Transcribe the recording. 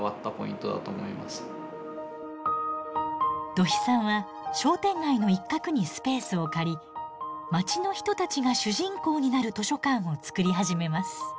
土肥さんは商店街の一角にスペースを借り街の人たちが主人公になる図書館を作り始めます。